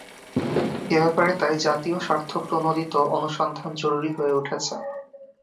এ ব্যাপারে তাই জাতীয় স্বার্থপ্রণোদিত অনুসন্ধান জরুরি হয়ে উঠেছে।